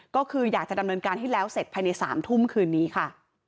ก็คืออยากจะดำเนินการให้แล้วเสร็จภายใน๓ทุ่มคืนนี้ค่ะ